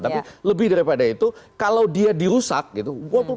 tapi lebih daripada itu kalau dia dirusak gitu